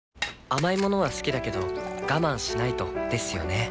甘い物は好きだけど我慢しないとですよね